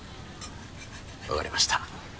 わかりました。